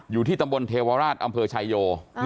อยู่ที่ตำบลเทวราชอำเภอชายโย